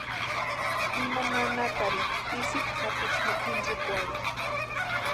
Ima nanakarini pisiki sapichu ma intsïkwarhitʼi.